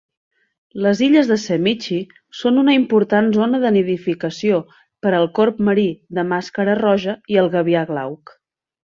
Les illes de Semichi són una important zona de nidificació per al corb marí de màscara roja i el gavià glauc.